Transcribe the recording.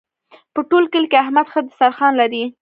په ټول کلي کې احمد ښه دسترخوان لري.